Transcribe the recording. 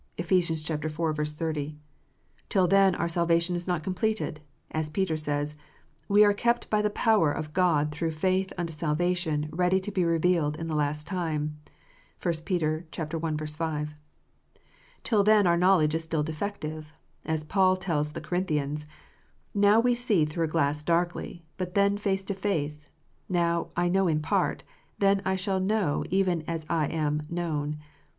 (Eph. iv. 30.) Till then our salvation is not completed; as Peter says, "We are kept by the power of God through faith unto salvation ready to be revealed in the last time." (1 Peter i. 5.) Till then our knowledge is still defective ; as Paul tells the Corinthians :" Now we see through a glass darkly ; but then face to face : now I know in part ; then shall I know even also as I am known."